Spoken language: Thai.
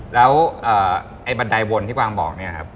แล้วบันไดบนที่กวางบอก